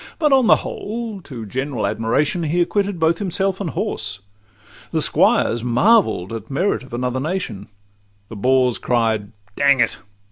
But on the whole, to general admiration He acquitted both himself and horse: the squires Marvell'd at merit of another nation; The boors cried 'Dang it?